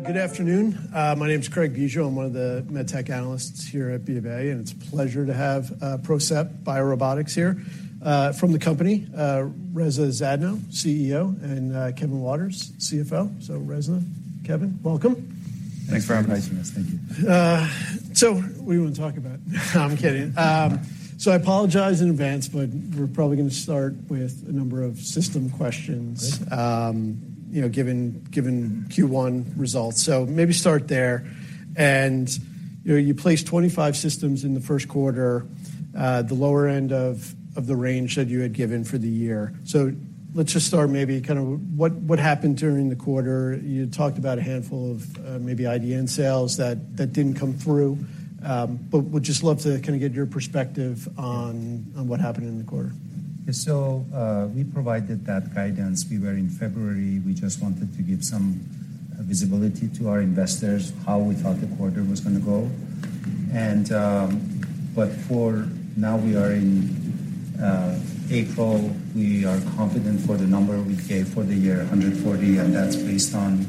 Good afternoon. My name is Craig Bijou. I'm one of the med tech analysts here at BoA, and it's a pleasure to have PROCEPT BioRobotics here. From the company, Reza Zadno, CEO, and Kevin Waters, CFO. Reza, Kevin, welcome. Thanks for inviting us. Thank you. What do you wanna talk about? No, I'm kidding. I apologize in advance, but we're probably gonna start with a number of system questions. Right. You know, given Q1 results. Maybe start there. You know, you placed 25 systems in the Q1, the lower end of the range that you had given for the year. Let's just start maybe kind of what happened during the quarter. You talked about a handful of maybe IDN sales that didn't come through. Would just love to kinda get your perspective on what happened in the quarter. Yeah. We provided that guidance. We were in February. We just wanted to give some visibility to our investors, how we thought the quarter was gonna go. But for now we are in April. We are confident for the number we gave for the year, $140, and that's based on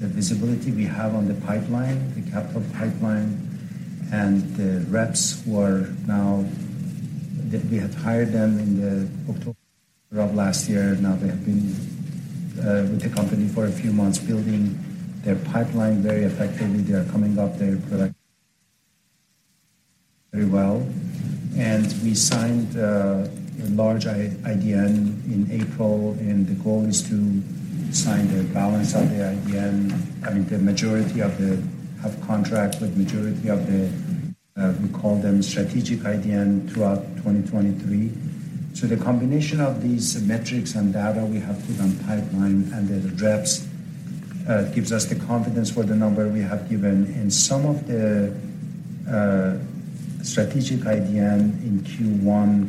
the visibility we have on the pipeline, the capital pipeline, and the reps. We have hired them in the October of last year. Now they have been with the company for a few months building their pipeline very effectively. They are coming up their product very well. We signed a large IDN in April, and the goal is to sign the balance of the IDN. I mean, have contract with majority of the, we call them strategic IDN throughout 2023. The combination of these metrics and data we have put on pipeline and the reps gives us the confidence for the number we have given. Some of the strategic IDN in Q1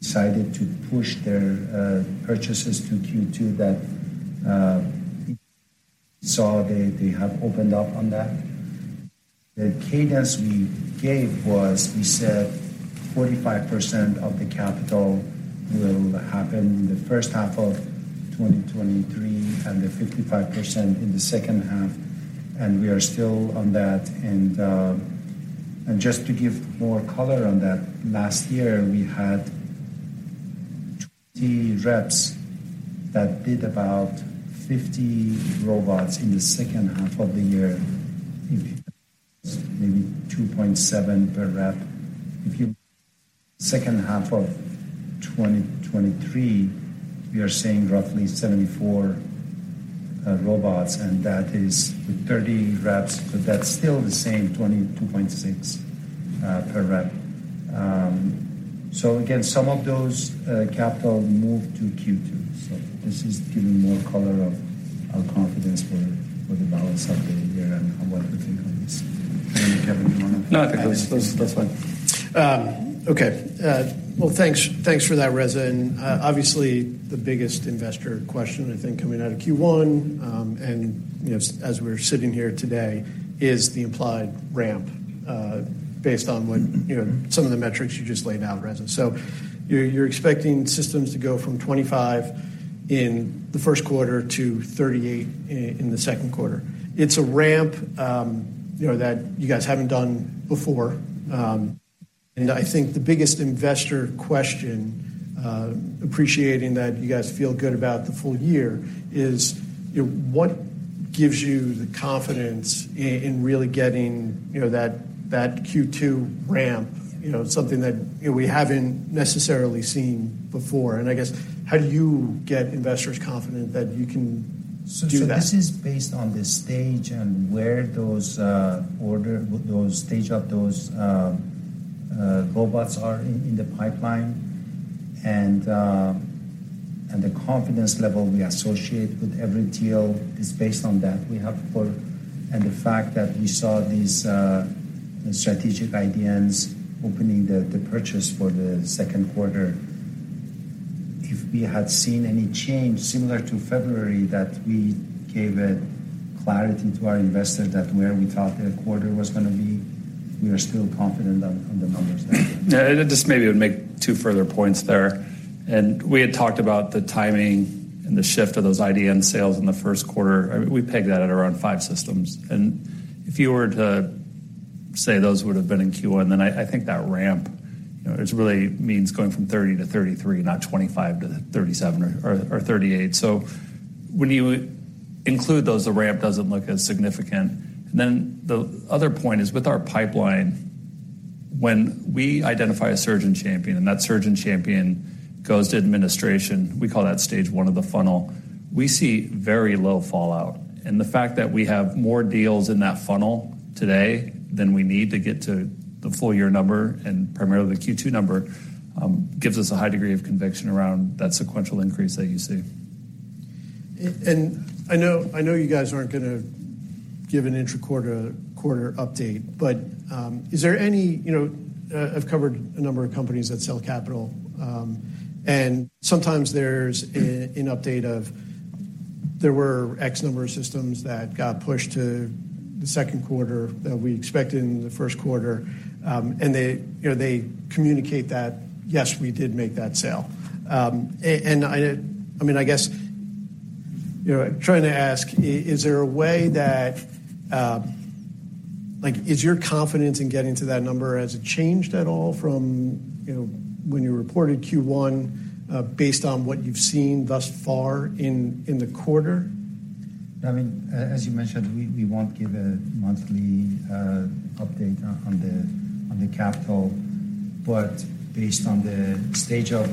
decided to push their purchases to Q2 that so they have opened up on that. The cadence we gave was, we said 45% of the capital will happen in the H1 of 2023, and the 55% in the H2, and we are still on that. Just to give more color on that, last year, we had 20 reps that did about 50 robots in the H2 of the year. Maybe 2.7 per rep. H2 of 2023, we are seeing roughly 74 robots, that is with 30 reps, that's still the same 22.6 per rep. Again, some of those capital moved to Q2. This is giving more color of our confidence for the balance of the year and what we think on this. I don't know, Kevin, you wanna? No, I think that's fine. Okay. Well, thanks for that, Reza. Obviously, the biggest investor question, I think, coming out of Q1, and, you know, as we're sitting here today is the implied ramp, based on what, you know, some of the metrics you just laid out, Reza. You're, you're expecting systems to go from 25 in the Q1 to 38 in the Q2. It's a ramp, you know, that you guys haven't done before. I think the biggest investor question, appreciating that you guys feel good about the full year is, you know, what gives you the confidence in really getting, you know, that Q2 ramp, you know, something that, you know, we haven't necessarily seen before. I guess, how do you get investors confident that you can do that? This is based on the stage and where those stage of those robots are in the pipeline. The confidence level we associate with every deal is based on that. The fact that we saw these strategic IDNs opening the purchase for the Q2. If we had seen any change similar to February that we gave a clarity to our investor that where we thought the quarter was gonna be, we are still confident on the numbers that we have. Yeah. Just maybe I'd make two further points there. We had talked about the timing and the shift of those IDN sales in the Q1. I mean, we pegged that at around five systems. If you were to say those would have been in Q1, I think that ramp, you know, it really means going from 30-33, not 25-37 or 38. When you include those, the ramp doesn't look as significant. The other point is with our pipeline, when we identify a surgeon champion, and that surgeon champion goes to administration, we call that stage one of the funnel. We see very low fallout. The fact that we have more deals in that funnel today than we need to get to the full year number and primarily the Q2 number, gives us a high degree of conviction around that sequential increase that you see. I know you guys aren't gonna give an intra-quarter, quarter update, but is there any. You know, I've covered a number of companies that sell capital, and sometimes there's an update of there were X number of systems that got pushed to the Q2 that we expected in the Q1, and they, you know, they communicate that, yes, we did make that sale. I mean, I guess. You know, trying to ask, is there a way that. Like, is your confidence in getting to that number, has it changed at all from, you know, when you reported Q1, based on what you've seen thus far in the quarter? I mean, as you mentioned, we won't give a monthly update on the capital. Based on the stage of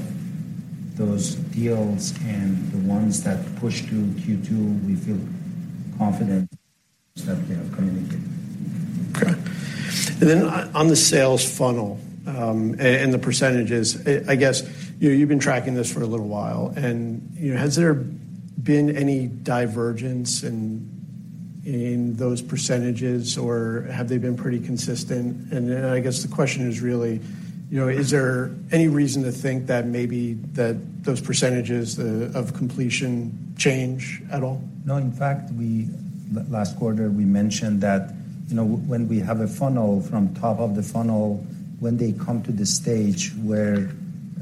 those deals and the ones that push through Q2, we feel confident that they have committed. Okay. On the sales funnel, and the percentages, I guess, you've been tracking this for a little while, and, you know, has there been any divergence in those percentages, or have they been pretty consistent? I guess the question is really, you know, is there any reason to think that maybe that those percentages of completion change at all? No. In fact, last quarter, we mentioned that, you know, when we have a funnel from top of the funnel, when they come to the stage where,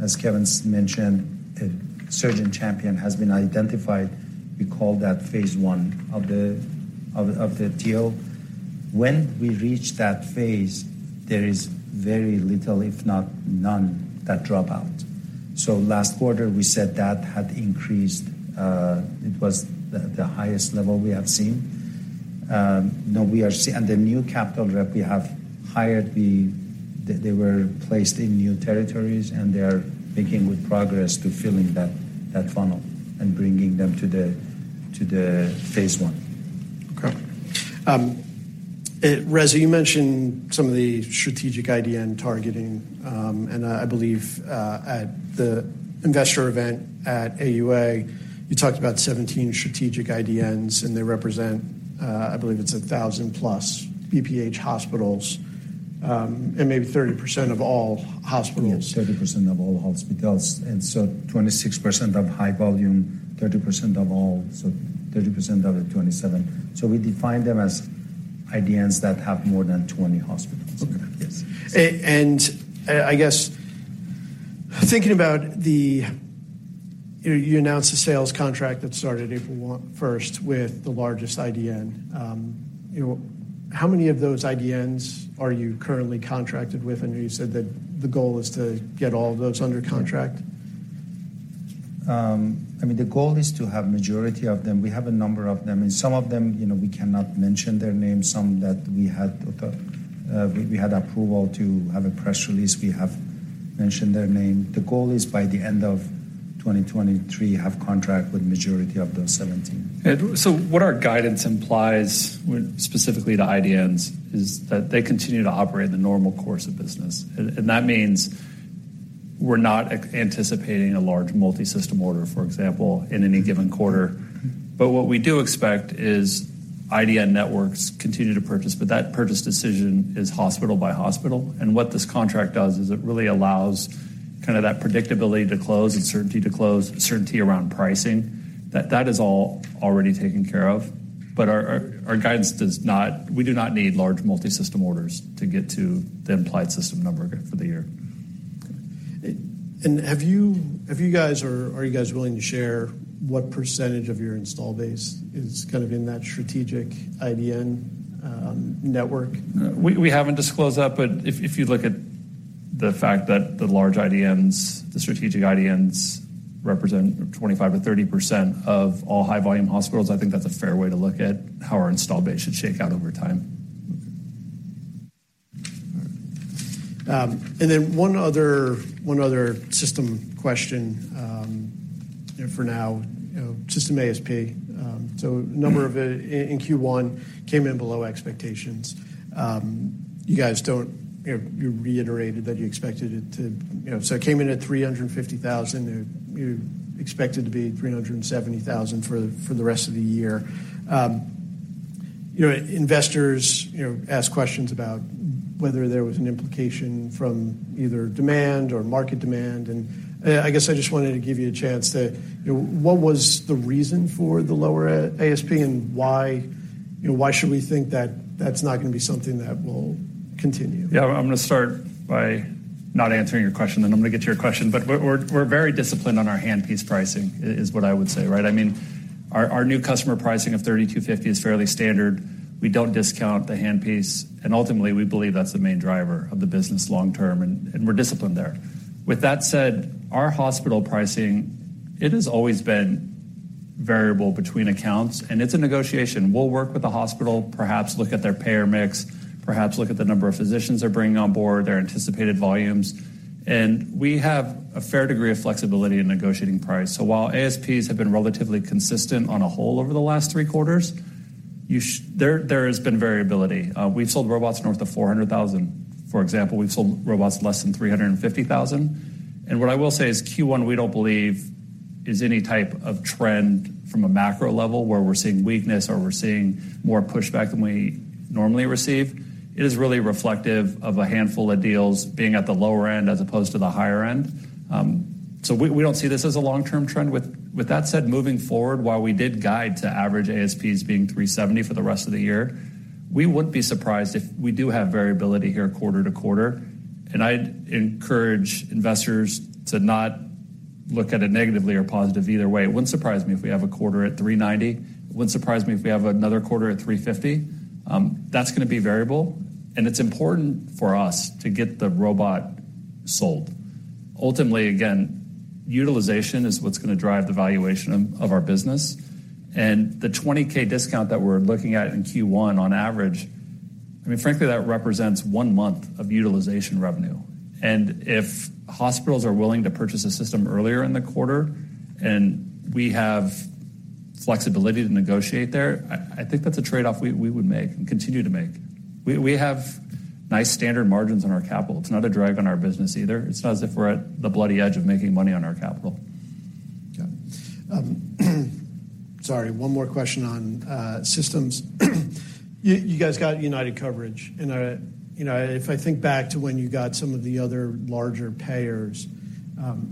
as Kevin's mentioned, a surgeon champion has been identified, we call that phase I of the deal. When we reach that phase, there is very little, if not none, that drop out. Last quarter, we said that had increased. It was the highest level we have seen. The new capital rep we have hired, they were placed in new territories, and they are making good progress to filling that funnel and bringing them to the phase I. Okay. Reza, you mentioned some of the strategic IDN targeting, and I believe, at the investor event at AUA, you talked about 17 strategic IDNs, and they represent, I believe it's 1,000+ BPH hospitals, and maybe 30% of all hospitals. 30% of all hospitals, and so 26% of high volume, 30% of all, so 30% out of 27. We define them as IDNs that have more than 20 hospitals. Okay. Yes. You announced a sales contract that started April 1st with the largest IDN. You know, how many of those IDNs are you currently contracted with? I know you said that the goal is to get all of those under contract. I mean, the goal is to have majority of them. We have a number of them, and some of them, you know, we cannot mention their name. Some that we had approval to have a press release. We have mentioned their name. The goal is by the end of 2023, have contract with majority of those 17. What our guidance implies with specifically the IDNs is that they continue to operate in the normal course of business. That means we're not anticipating a large multi-system order, for example, in any given quarter. What we do expect is IDN networks continue to purchase, but that purchase decision is hospital by hospital. What this contract does is it really allows kind of that predictability to close and certainty to close, certainty around pricing, that that is all already taken care of. Our guidance does not. We do not need large multi-system orders to get to the implied system number for the year. Have you guys or are you guys willing to share what percentage of your install base is kind of in that strategic IDN network? We haven't disclosed that, but if you look at the fact that the large IDNs, the strategic IDNs represent 25% or 30% of all high-volume hospitals, I think that's a fair way to look at how our install base should shake out over time. Okay. All right. Then one other system question, you know, for now, you know, system ASP. Number of it in Q1 came in below expectations. You guys don't, you know, you reiterated that you expected it to, you know, so it came in at $350,000. You expect it to be $370,000 for the rest of the year. You know, investors, you know, ask questions about whether there was an implication from either demand or market demand. I guess I just wanted to give you a chance to, you know, what was the reason for the lower ASP and why, you know, why should we think that that's not gonna be something that will continue? Yeah. I'm gonna start by not answering your question, then I'm gonna get to your question. We're very disciplined on our handpiece pricing is what I would say, right? I mean, our new customer pricing of $3,250 is fairly standard. We don't discount the handpiece, and ultimately, we believe that's the main driver of the business long term, and we're disciplined there. With that said, our hospital pricing, it has always been variable between accounts, and it's a negotiation. We'll work with the hospital, perhaps look at their payer mix, perhaps look at the number of physicians they're bringing on board, their anticipated volumes, and we have a fair degree of flexibility in negotiating price. While ASPs have been relatively consistent on a whole over the last three quarters, there has been variability. We've sold robots north of $400,000. For example, we've sold robots less than $350,000. What I will say is Q1, we don't believe is any type of trend from a macro level where we're seeing weakness or we're seeing more pushback than we normally receive. It is really reflective of a handful of deals being at the lower end as opposed to the higher end. We, we don't see this as a long-term trend. With that said, moving forward, while we did guide to average ASPs being $370,000 for the rest of the year We would be surprised if we do have variability here quarter to quarter, and I'd encourage investors to not look at it negatively or positive either way. It wouldn't surprise me if we have a quarter at $390. It wouldn't surprise me if we have another quarter at $350. That's gonna be variable, and it's important for us to get the robot sold. Ultimately, again, utilization is what's gonna drive the valuation of our business. The $20K discount that we're looking at in Q1 on average, I mean, frankly, that represents one month of utilization revenue. If hospitals are willing to purchase a system earlier in the quarter, and we have flexibility to negotiate there, I think that's a trade-off we would make and continue to make. We have nice standard margins on our capital. It's not a drag on our business either. It's not as if we're at the bloody edge of making money on our capital. Got it. Sorry, one more question on systems. You guys got United coverage, you know, if I think back to when you got some of the other larger payers,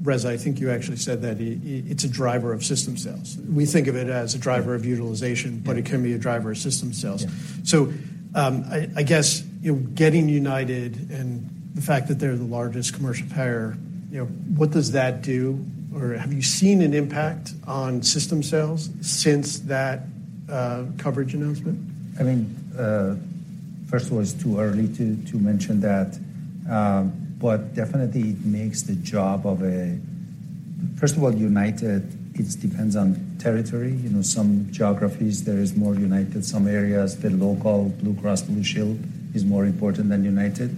Reza, I think you actually said that it's a driver of system sales. We think of it as a driver of utilization t can be a driver of system sales. I guess, you know, getting United and the fact that they're the largest commercial payer, you know, what does that do? Or have you seen an impact on system sales since that coverage announcement? I mean, first of all, it's too early to mention that, definitely makes the job of a. First of all, United, it depends on territory. You know, some geographies there is more United. Some areas, the local Blue Cross Blue Shield is more important than United.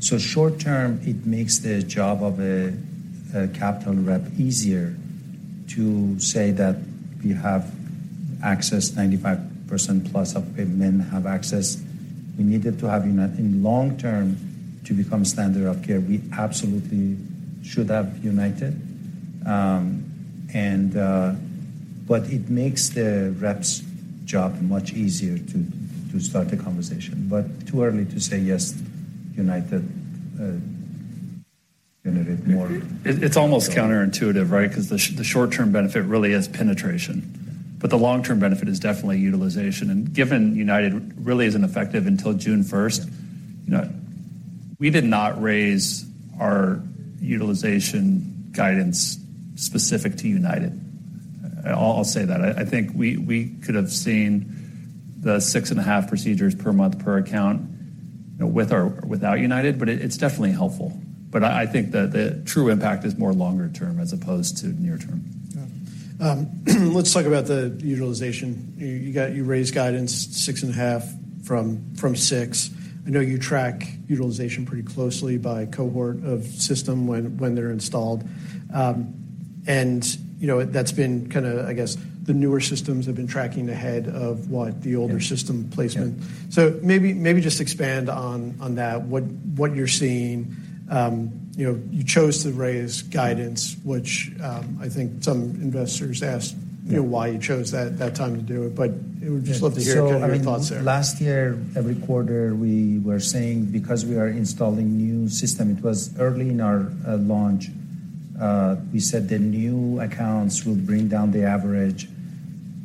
Short term, it makes the job of a capital rep easier to say that we have access, 95%+ of paid men have access. We needed to have United. In long term to become standard of care, we absolutely should have United. It makes the rep's job much easier to start a conversation, but too early to say yes to United. It's almost counterintuitive, right? 'Cause the short-term benefit really is penetration, but the long-term benefit is definitely utilization. Given United really isn't effective until June 1st, you know, we did not raise our utilization guidance specific to United. I'll say that. I think we could have seen the 6.5 procedures per month per account with or without United, but it's definitely helpful. I think that the true impact is more longer term as opposed to near term. Yeah. Let's talk about the utilization. You raised guidance 6.5 from six. I know you track utilization pretty closely by cohort of system when they're installed. You know, that's been kinda, I guess, the newer systems have been tracking ahead of what the older system placement. Yeah. Maybe just expand on that. What you're seeing. you know, you chose to raise guidance, which, I think some investors asked.you know, why you chose that time to do it? Would just love to hear kind of your thoughts there. Last year, every quarter, we were saying because we are installing new system, it was early in our launch, we said the new accounts will bring down the average.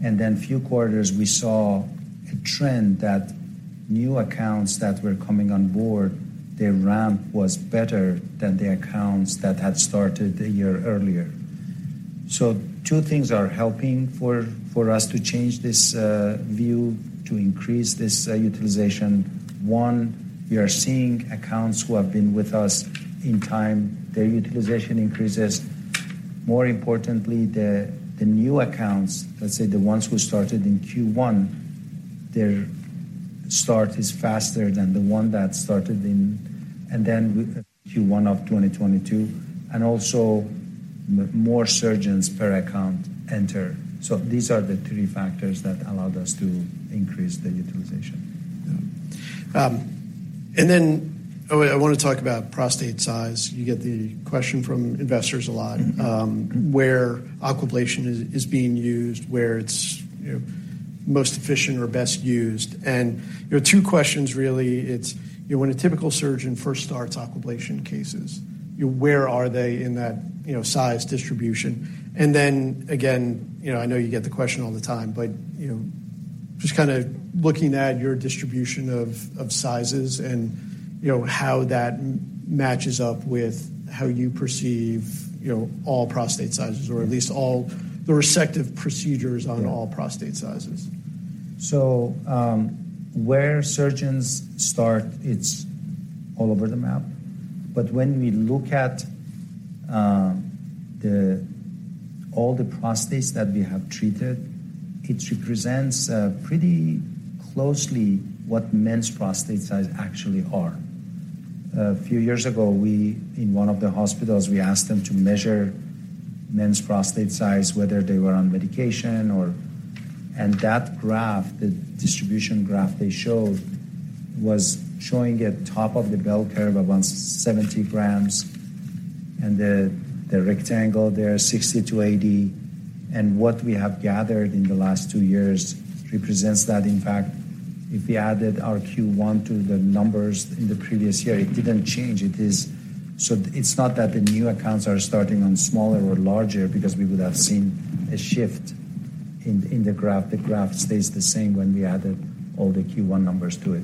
Few quarters, we saw a trend that new accounts that were coming on board, their ramp was better than the accounts that had started a year earlier. Two things are helping for us to change this view to increase this utilization. One, we are seeing accounts who have been with us in time, their utilization increases. More importantly, the new accounts, let's say the ones we started in Q1, their start is faster than the one that started in Q1 of 2022, and also more surgeons per account enter. These are the 3 factors that allowed us to increase the utilization. Yeah. I wanna talk about prostate size. You get the question from investors a lot. Mm-hmm. where Aquablation is being used, where it's, you know, most efficient or best used. There are two questions really. It's, you know, when a typical surgeon first starts Aquablation cases, where are they in that, you know, size distribution? Again, you know, I know you get the question all the time, but, you know, just kinda looking at your distribution of sizes and, you know, how that matches up with how you perceive, you know, all prostate sizes, or at least all the resective procedures on all prostate sizes. Where surgeons start, it's all over the map. When we look at all the prostates that we have treated, it represents pretty closely what men's prostate size actually are. A few years ago, we, in one of the hospitals, we asked them to measure men's prostate size, whether they were on medication or and that graph, the distribution graph they showed, was showing at top of the bell curve around 70 grams, and the rectangle there, 60-80. What we have gathered in the last two years represents that. In fact, if we added our Q1 to the numbers in the previous year, it didn't change. It's not that the new accounts are starting on smaller or larger because we would have seen a shift in the graph. The graph stays the same when we added all the Q1 numbers to it.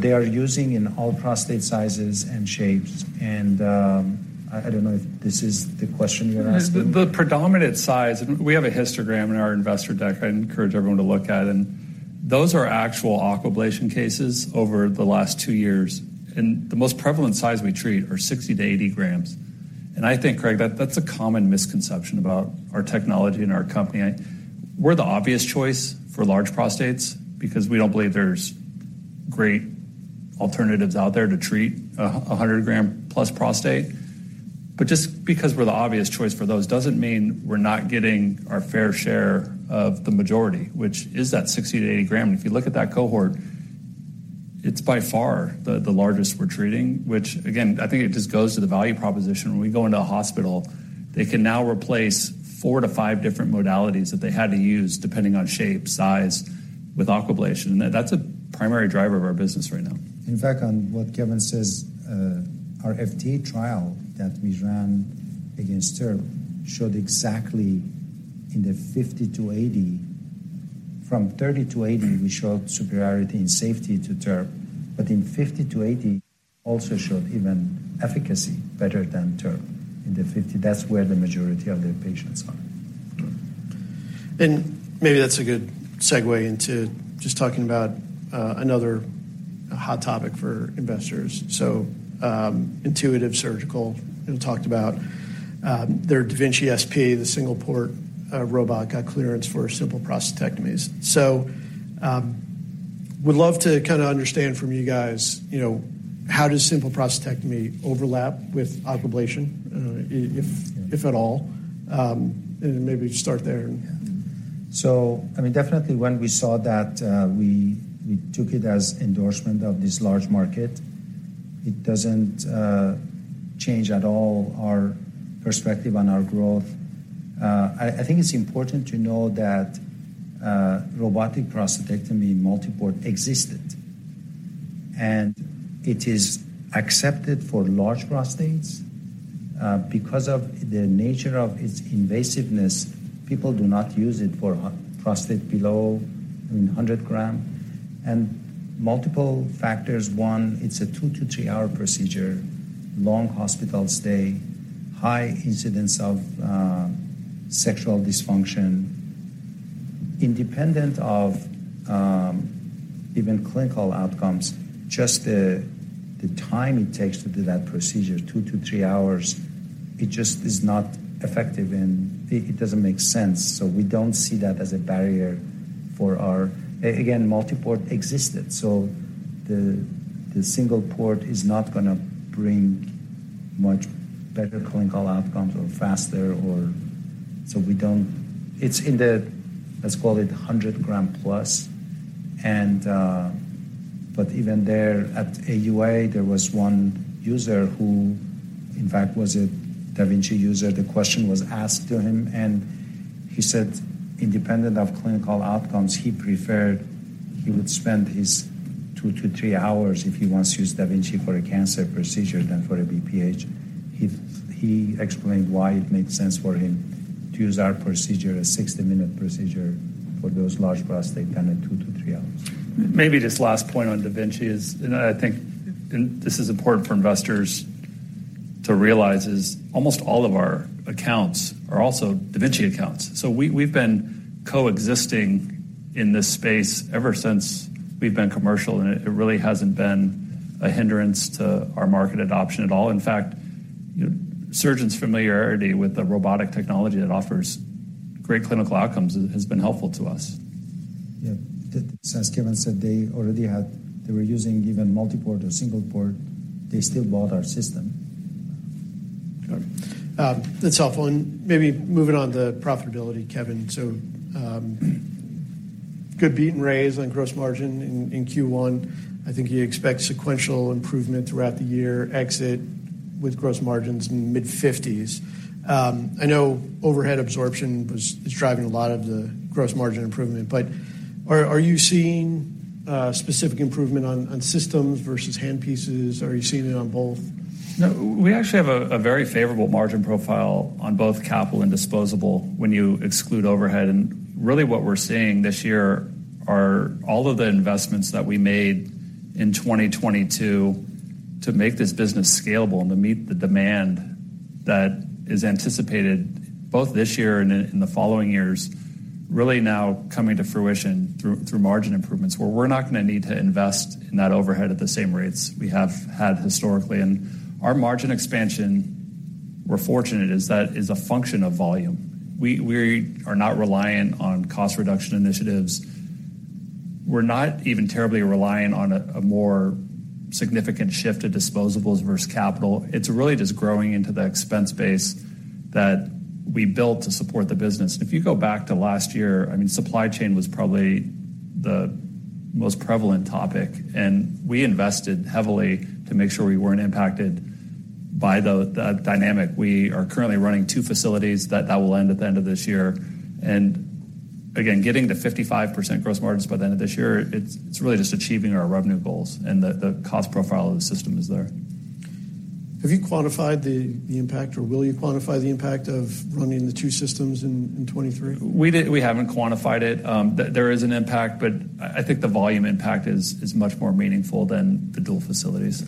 They are using in all prostate sizes and shapes. I don't know if this is the question you're asking? The predominant size, and we have a histogram in our investor deck I'd encourage everyone to look at, and those are actual Aquablation cases over the last two years. The most prevalent size we treat are 60-80 grams. I think, Craig, that's a common misconception about our technology and our company. We're the obvious choice for large prostates because we don't believe there's great alternatives out there to treat a 100 gram plus prostate. Just because we're the obvious choice for those doesn't mean we're not getting our fair share of the majority, which is that 60-80 gram. If you look at that cohort, it's by far the largest we're treating, which again, I think it just goes to the value proposition. When we go into a hospital, they can now replace four to five different modalities that they had to use depending on shape, size with Aquablation. That's a primary driver of our business right now. In fact, on what Kevin says, our FDA trial that we ran against TURP showed exactly in the 50-80. From 30-80, we showed superiority in safety to TURP but in 50-80 also showed even efficacy better than TURP. In the 50, that's where the majority of the patients are. Maybe that's a good segue into just talking about another hot topic for investors. Intuitive Surgical talked about their da Vinci SP, the single port robot, got clearance for simple prostatectomies. Would love to kinda understand from you guys, you know, how does simple prostatectomy overlap with Aquablation, if at all. And maybe start there. I mean, definitely when we saw that, we took it as endorsement of this large market. It doesn't change at all our perspective on our growth. I think it's important to know that robotic prostatectomy multi-port existed, and it is accepted for large prostates. Because of the nature of its invasiveness, people do not use it for prostate below 100 gram. Multiple factors, one, it's a 2-3 hour procedure, long hospital stay, high incidence of sexual dysfunction. Independent of even clinical outcomes, just the time it takes to do that procedure, 2-3 hours, it just is not effective and it doesn't make sense. We don't see that as a barrier for our. Again, multi-port existed, so the single-port is not gonna bring much better clinical outcomes or faster or. We don't It's in the, let's call it 100 gram plus. But even there at AUA, there was one user who, in fact, was a da Vinci user. The question was asked to him, and he said, independent of clinical outcomes, he preferred he would spend his 2-3 hours if he wants to use da Vinci for a cancer procedure than for a BPH. He explained why it made sense for him to use our procedure, a 60-minute procedure for those large prostate than a 2-3 hours. Maybe this last point on da Vinci is, and I think this is important for investors to realize, is almost all of our accounts are also da Vinci accounts. We've been coexisting in this space ever since we've been commercial, and it really hasn't been a hindrance to our market adoption at all. In fact, surgeons' familiarity with the robotic technology that offers great clinical outcomes has been helpful to us. Yeah. As Kevin said, they already had, they were using even multi-port or single port. They still bought our system. Got it. That's helpful. Maybe moving on to profitability, Kevin. Good beat and raise on gross margin in Q1. I think you expect sequential improvement throughout the year, exit with gross margins in mid-50s. I know overhead absorption is driving a lot of the gross margin improvement. Are you seeing specific improvement on systems versus handpieces? Are you seeing it on both? No. We actually have a very favorable margin profile on both capital and disposable when you exclude overhead. Really what we're seeing this year are all of the investments that we made in 2022 to make this business scalable and to meet the demand that is anticipated both this year and the following years, really now coming to fruition through margin improvements, where we're not gonna need to invest in that overhead at the same rates we have had historically. Our margin expansion, we're fortunate, is that is a function of volume. We are not reliant on cost reduction initiatives. We're not even terribly reliant on a more significant shift to disposables versus capital. It's really just growing into the expense base that we built to support the business. If you go back to last year, I mean, supply chain was probably the most prevalent topic, and we invested heavily to make sure we weren't impacted by the dynamic. We are currently running two facilities. That will end at the end of this year. Again, getting to 55% gross margins by the end of this year, it's really just achieving our revenue goals and the cost profile of the system is there. Have you quantified the impact or will you quantify the impact of running the two systems in 2023? We haven't quantified it. There is an impact, but I think the volume impact is much more meaningful than the dual facilities.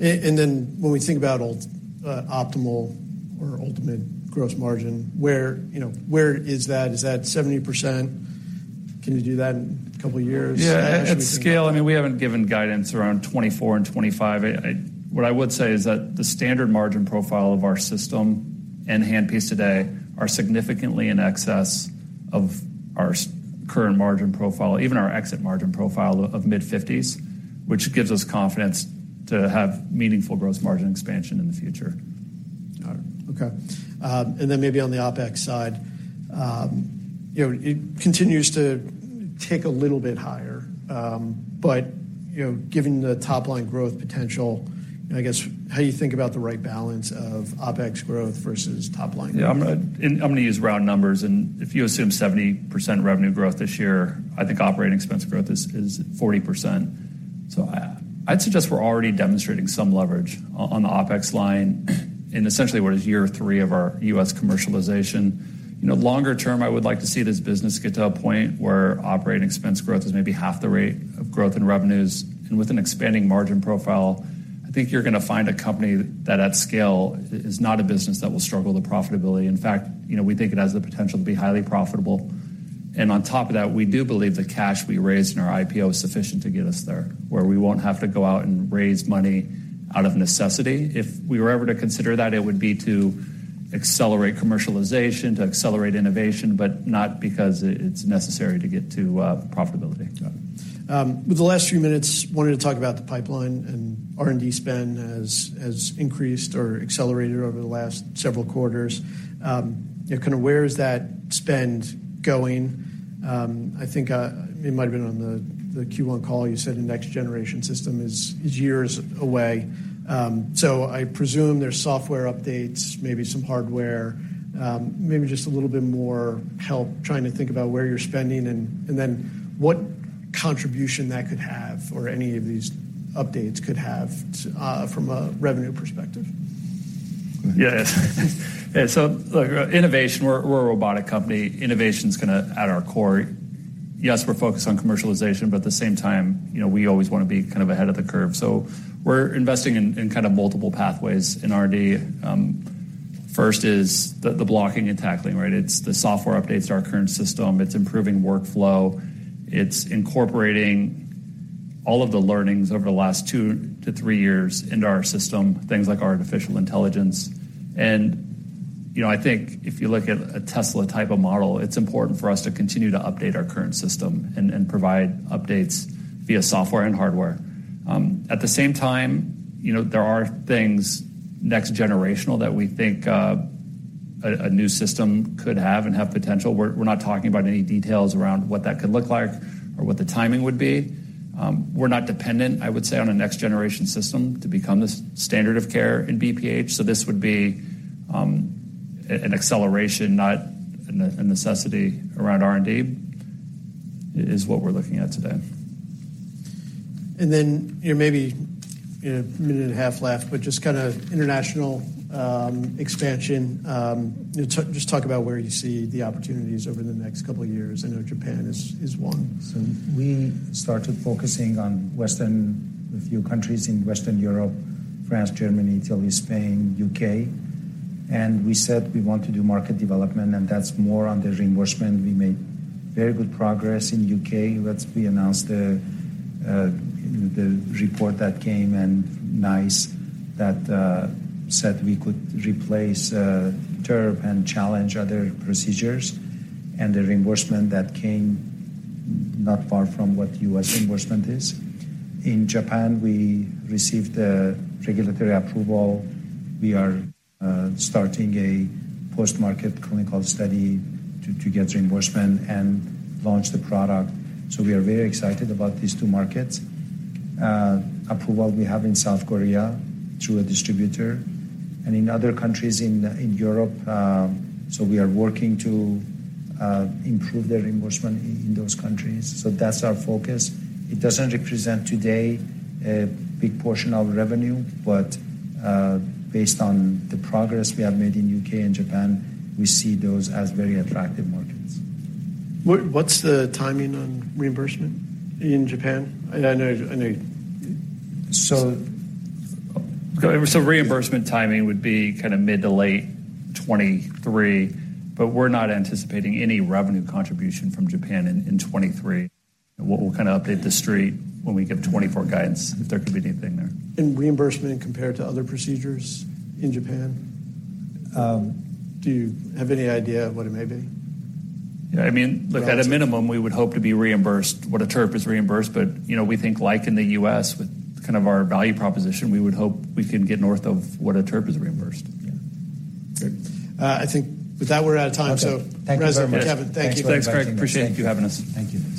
When we think about optimal or ultimate gross margin, where, you know, where is that? Is that 70%? Can you do that in a couple of years? Yeah. At scale, I mean, we haven't given guidance around 2024 and 2025. What I would say is that the standard margin profile of our system and handpiece today are significantly in excess of our current margin profile, even our exit margin profile of mid-50s, which gives us confidence to have meaningful gross margin expansion in the future. All right. Okay. Maybe on the OpEx side, you know, it continues to tick a little bit higher. You know, given the top line growth potential and I guess how you think about the right balance of OpEx growth versus top line growth? Yeah. I'm gonna use round numbers, and if you assume 70% revenue growth this year, I think operating expense growth is 40%. I'd suggest we're already demonstrating some leverage on the OpEx line in essentially what is year three of our U.S. commercialization. You know, longer term, I would like to see this business get to a point where operating expense growth is maybe half the rate of growth in revenues. With an expanding margin profile, I think you're gonna find a company that at scale is not a business that will struggle with profitability. In fact, you know, we think it has the potential to be highly profitable. On top of that, we do believe the cash we raised in our IPO is sufficient to get us there, where we won't have to go out and raise money out of necessity. If we were ever to consider that, it would be to accelerate commercialization, to accelerate innovation, but not because it's necessary to get to profitability. Got it. With the last few minutes, wanted to talk about the pipeline and R&D spend has increased or accelerated over the last several quarters. You know, kind of where is that spend going? I think, it might have been on the Q1 call, you said the next generation system is years away. I presume there's software updates, maybe some hardware, maybe just a little bit more help trying to think about where you're spending, and then what contribution that could have or any of these updates could have, from a revenue perspective. Yes. Yeah. Look, innovation, we're a robotic company. Innovation's at our core. Yes, we're focused on commercialization, but at the same time, you know, we always wanna be kind of ahead of the curve. We're investing in kind of multiple pathways in R&D. First is the blocking and tackling, right? It's the software updates to our current system. It's improving workflow. It's incorporating all of the learnings over the last 2-3 years into our system, things like artificial intelligence. You know, I think if you look at a Tesla type of model, it's important for us to continue to update our current system and provide updates via software and hardware. At the same time, you know, there are things next generational that we think a new system could have and have potential. We're not talking about any details around what that could look like or what the timing would be. We're not dependent, I would say, on a next generation system to become the standard of care in BPH. This would be an acceleration, not a necessity around R&D, is what we're looking at today. You know, maybe a minute and a half left, but just kinda international expansion. you just talk about where you see the opportunities over the next couple of years. I know Japan is one. We started focusing on Western, a few countries in Western Europe, France, Germany, Italy, Spain, U.K. We said we want to do market development, and that's more on the reimbursement. We made very good progress in U.K. We announced the report that came and NICE that said we could replace TURP and challenge other procedures and the reimbursement that came not far from what U.S. reimbursement is. In Japan, we received the regulatory approval. We are starting a post-market clinical study to get reimbursement and launch the product. We are very excited about these two markets. Approval we have in South Korea through a distributor and in other countries in Europe, we are working to improve the reimbursement in those countries. That's our focus. It doesn't represent today a big portion of revenue, but, based on the progress we have made in U.K. and Japan, we see those as very attractive markets. What's the timing on reimbursement in Japan? I know. So. Reimbursement timing would be kinda mid to late 2023, but we're not anticipating any revenue contribution from Japan in 2023. We'll kinda update the street when we give 2024 guidance, if there could be anything there. Reimbursement compared to other procedures in Japan, do you have any idea of what it may be? Yeah. I mean, look, at a minimum, we would hope to be reimbursed what a TURP is reimbursed. You know, we think like in the U.S., with kind of our value proposition, we would hope we can get north of what a TURP is reimbursed. Yeah. Good. I think with that, we're out of time. Okay. Thank you very much. Reza and Kevin, thank you. Thanks, Craig. Appreciate you having us. Thank you.